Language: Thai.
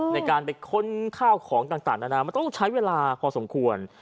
ในการไปค้นข้าวของต่างนานามันต้องใช้เวลาพอสมควร